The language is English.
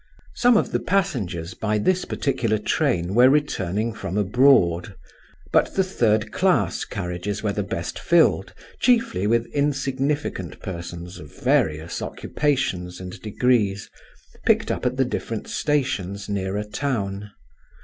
Some of the passengers by this particular train were returning from abroad; but the third class carriages were the best filled, chiefly with insignificant persons of various occupations and degrees, picked up at the different stations nearer town.